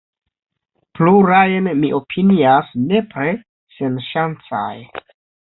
Plurajn mi opinias nepre senŝancaj.